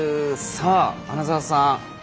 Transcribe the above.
さあ、穴澤さん